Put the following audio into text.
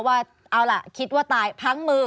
ว่าเอาล่ะคิดว่าตายพังมือ